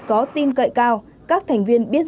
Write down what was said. có tin cậy cao các thành viên biết